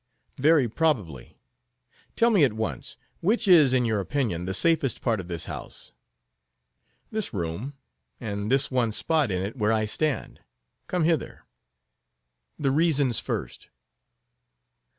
"Very probably. Tell me at once, which is, in your opinion, the safest part of this house? "This room, and this one spot in it where I stand. Come hither." "The reasons first."